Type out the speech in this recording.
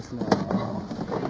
ああ。